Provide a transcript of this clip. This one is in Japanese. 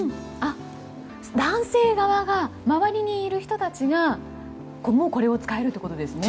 男性側周りにいる人たちもこれを使えるということですね。